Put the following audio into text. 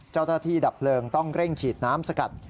เจ้าหน้าที่ดับเพลิงต้องเร่งฉีดน้ำสกัด